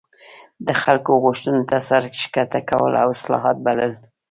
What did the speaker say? د خلکو غوښتنو ته سر ښکته کول او اصلاحات بلل.